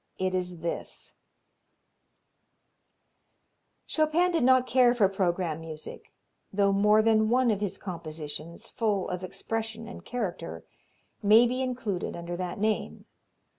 It is this: Chopin did not care for programme music, though more than one of his compositions, full of expression and character, may be included under that name.